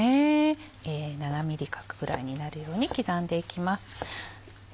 ７ｍｍ角ぐらいになるように刻んでいきます。